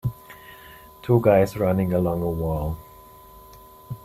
Two guys running along a wall